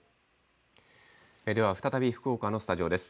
再び福岡のスタジオです。